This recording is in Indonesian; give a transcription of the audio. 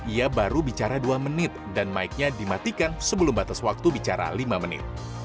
ia baru bicara dua menit dan mike nya dimatikan sebelum batas waktu bicara lima menit